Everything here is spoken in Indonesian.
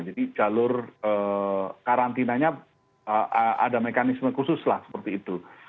jadi jalur karantinanya ada mekanisme khusus lah seperti itu